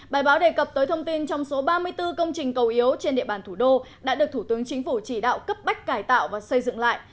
bài báo đề cập tới thông tin trong số ba mươi bốn công trình cầu yếu trên địa bàn thủ đô đã được thủ tướng chính phủ chỉ đạo cấp bách cải tạo và xây dựng lại